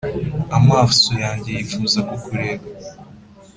Amaso yanjye yifuza kukureba ,